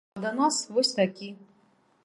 А да нас вось такі.